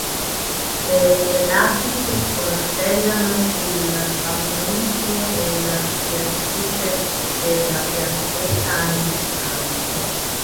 Le lapidi costellano il pavimento e la superficie della piazzetta antistante.